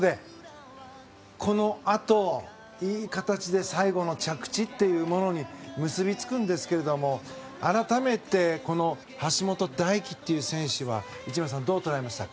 このあと、いい形で最後の着地というものに結びつくんですけれども改めてこの橋本大輝という選手は内村さん、どう捉えました？